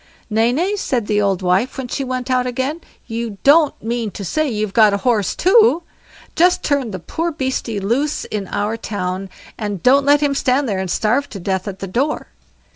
"Nay, nay", said the old wife when she went out again, "you don't mean to say you've got a horse too; just turn the poor beastie loose in our 'toun', and don't let him stand there and starve to death at the door."